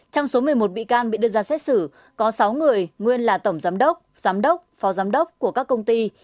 trong số một mươi một bị can bị đưa ra xét xử có sáu người nguyên là tổng giám đốc giám đốc phó giám đốc của các công ty